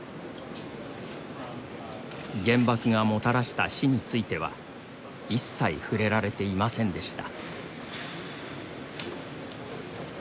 原爆がもたらした死については一切触れられていませんでした。